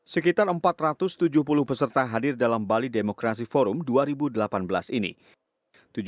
sekitar empat ratus tujuh puluh peserta hadir dalam bali demokrasi forum dua ribu delapan belas ini